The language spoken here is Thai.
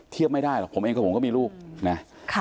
เทียบไม่ได้หรอกผมเองก็มีลูกนะ